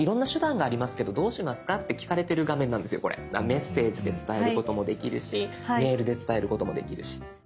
「メッセージ」で伝えることもできるし「メール」で伝えることもできるし。